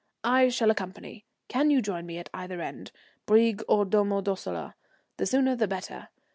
I shall accompany. Can you join me at either end Brieg or Domo Dossola? The sooner the better.